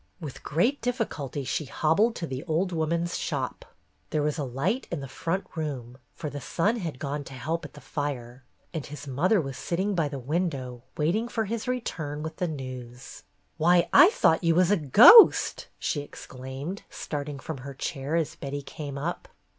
With great difficulty she hobbled to the old woman's shop. There was a light in the front room, for the son had gone to help at the fire, and his mother was sitting by the window, waiting for his return with the news. ''Why, I thought you was a ghost!" she exclaimed, starting from her chair as Betty came up.